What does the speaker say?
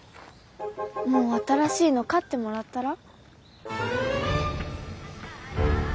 もう新しいの買ってもらったら？